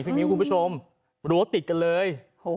มิ้วคุณผู้ชมรั้วติดกันเลย